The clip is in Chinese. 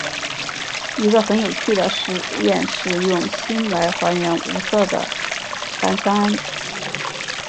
一个很有趣的试验是用锌来还原无色的钒酸铵。